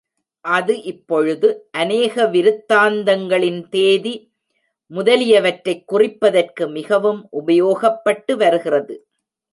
அது இப்பொழுது, அநேக விருத்தாந்தங்களின் தேதி முதலியவற்றைக் குறிப்பதற்கு மிகவும் உபயோகப்பட்டு வருகிறது.